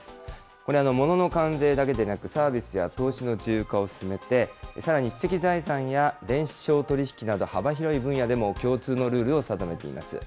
これ、モノの関税だけでなく、サービスや投資の自由化を進めて、さらに知的財産や電子商取引など幅広い分野でも共通のルールを定めています。